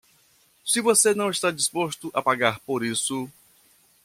Se você não está disposto a pagar por isso